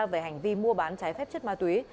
về hành vi mua bán trái phép chất ma túy